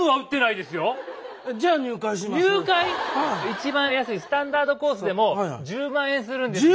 一番安いスタンダードコースでも１０万円するんですよ。